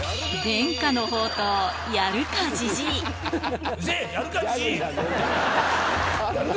伝家の宝刀、やるかじじい。